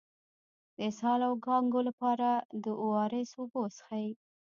د اسهال او کانګو لپاره د او ار اس اوبه وڅښئ